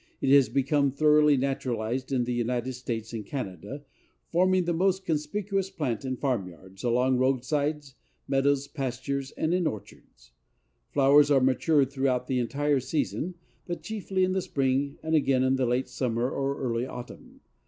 It has become thoroughly naturalized in the United States and Canada, forming the most conspicuous plant in farmyards, along roadsides, meadows, pastures and in orchards. Flowers are matured throughout the entire season, but chiefly in the spring and again in the late summer or early autumn.